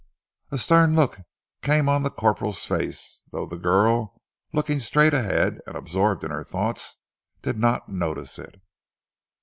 A stern look came on the corporal's face, though the girl, looking straight ahead and absorbed in her thoughts, did not notice it.